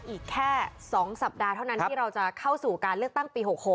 อีกแค่๒สัปดาห์เท่านั้นที่เราจะเข้าสู่การเลือกตั้งปี๖๖